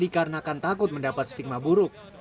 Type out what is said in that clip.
dikarenakan takut mendapat stigma buruk